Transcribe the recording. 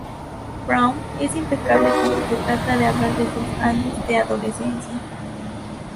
Brown es implacable cuando se trata de hablar de sus años de adolescencia.